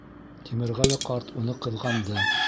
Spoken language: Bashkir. Тимерғәле ҡарт уны ҡыҙғанды.